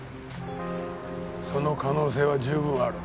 その可能性は十分ある。